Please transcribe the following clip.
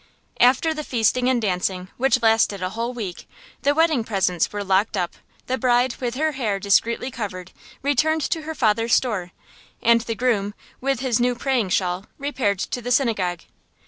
After the feasting and dancing, which lasted a whole week, the wedding presents were locked up, the bride, with her hair discreetly covered, returned to her father's store, and the groom, with his new praying shawl, repaired to the synagogue.